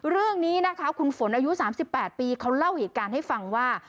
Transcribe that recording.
เรื่องนี้นะคะคุณฝนอายุ๓๘ปีเขาเล่าเหตุการณ์ให้ฟังว่า